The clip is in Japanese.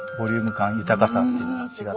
豊かさっていうのが違う。